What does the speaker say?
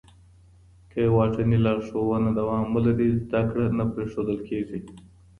که واټني لارښوونه دوام ولري، زده کړه نه پرېښودل کېږي.